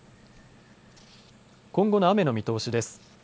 今後の雨の見通しです。